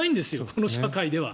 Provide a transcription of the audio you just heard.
この社会では。